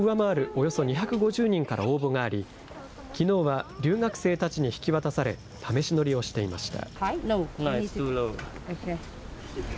およそ２５０人から応募があり、きのうは留学生たちに引き渡され、試し乗りをしていました。